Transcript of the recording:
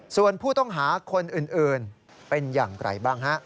ส่วนผู้ต้องหาคนอื่นเป็นอย่างไรบ้างฮะ